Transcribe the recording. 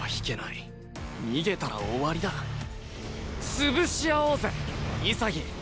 潰し合おうぜ潔。